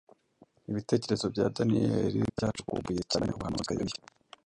ibitekerezo bya Daniyeli byacukumbuye cyane ubuhanuzi bwa Yeremiya.